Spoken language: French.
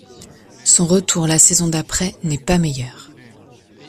Son retour la saison d'après n'est pas meilleur.